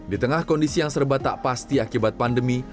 di tengah kondisi yang serba tak pasti akibat pandemi